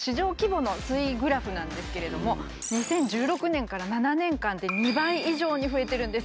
グラフなんですけれども２０１６年から７年間で２倍以上に増えてるんです。